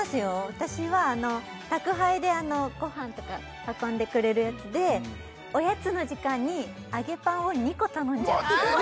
私は宅配でご飯とか運んでくれるやつでおやつの時間に揚げパンを２個頼んじゃううわ